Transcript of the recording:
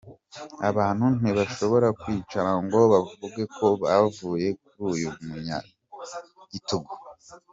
Abantu ntibashobora kwicara ngo bavuge ko bavuye kuri uyu munyagitugu